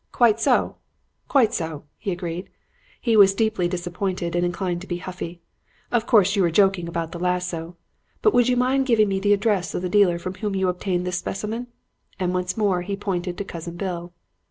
"'Quite so, quite so,' he agreed. He was deeply disappointed and inclined to be huffy. 'Of course you were joking about the lasso. But would you mind giving me the address of the dealer from whom you obtained this specimen?' And once more he pointed to Cousin Bill.